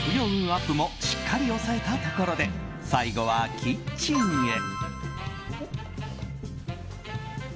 アップもしっかり押さえたところで最後はキッチンへ。